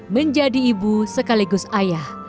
menjadi ibu sekaligus ayah